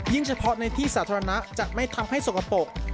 เฉพาะในที่สาธารณะจะไม่ทำให้สกปรก